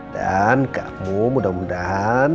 dan kamu mudah mudahan